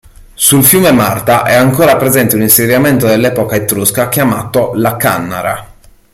Sul fiume Marta è ancora presente un insediamento dell'epoca etrusca chiamato "La Cannara".